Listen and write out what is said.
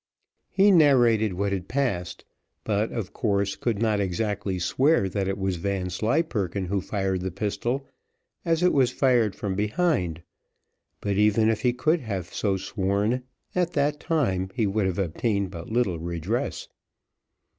He narrated what had passed, but, of course, could not exactly swear that it was Vanslyperken who fired the pistol, as it was fired from behind, but even if he could have so sworn, at that time he would have obtained but little redress.